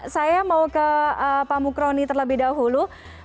saya mau ke pak mukroni terlebih dahulu